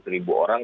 seratus ribu orang